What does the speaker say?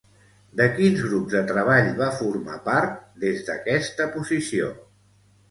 De quins grups de treball va formar part, des d'aquesta posició?